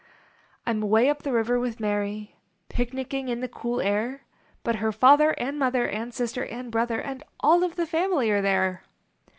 I m way up the river with Mary, Picnicking in the cool air ; But her father and mother And sister and brother And all of the family are there.